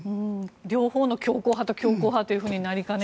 両方の強硬派と強硬派になりかねない。